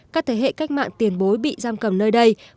các thế hệ cách mạng tiền bối bị giam cầm nơi đây